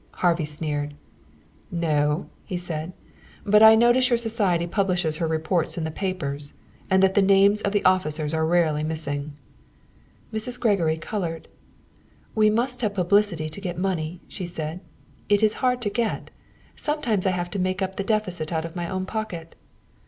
Harvey sneered. "No," he said slowly. "But I notice your society publishes her reports in the papers, and that the names of the officers are rarely missing." Mrs. Gregory colored. "We must have publicity to get money," she said. "It is hard to get. Sometimes I have had to make up the deficit out of my own pocket."